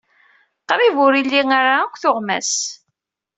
Qrib ur ili ara akk tuɣmas.